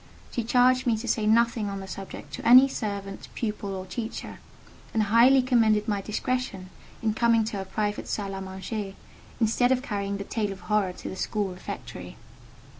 She charged me to say nothing on the subject to any servant, pupil, or teacher, and highly commended my discretion in coming to her private salle à manger, instead of carrying the tale of horror to the school refectory.